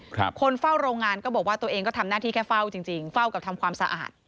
คนเฝ้าโรงงานก็บอกว่าตัวเองก็ทำหน้าที่แค่เฝ้าจริงจริงเฝ้ากับทำความสะอาด